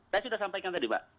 saya sudah sampaikan tadi pak